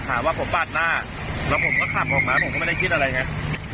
หาว่าผมปาดหน้าแล้วผมก็ขับออกมาผมก็ไม่ได้คิดอะไรไง